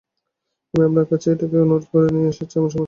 আমি আপনার কাছে একটাই অনুরোধ নিয়ে এসেছি, আপনি সমস্যাটা কী, বের করবেন।